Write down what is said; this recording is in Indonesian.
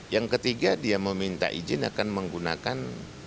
yang ketiga dia meminta izin akan menggunakan